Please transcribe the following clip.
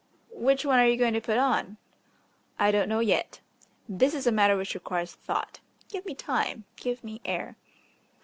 "Which one are you going to put on?" "I don't know yet. This is a matter which requires thought. Give me time, give me air."